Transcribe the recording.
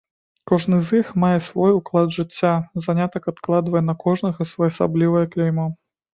Кожны з іх мае свой уклад жыцця, занятак адкладвае на кожнага своеасаблівае кляймо.